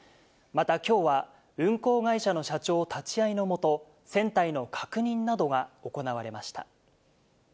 またきょうは、運航会社の社長立ち会いの下、船体の確認などが行われました。